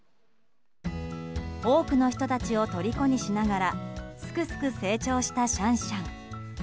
多くの人たちを虜にしながらすくすく成長したシャンシャン。